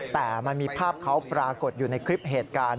แต่มันมีภาพเขาปรากฏอยู่ในคลิปเหตุการณ์